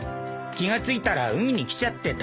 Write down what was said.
気が付いたら海に来ちゃってたんだ。